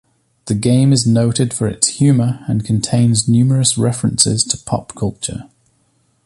The game is noted for its humour, and contains numerous references to pop culture.